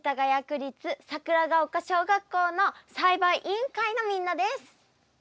区立桜丘小学校の栽培委員会のみんなです。